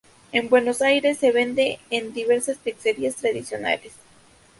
En Buenos Aires, se vende en diversas pizzerías tradicionales.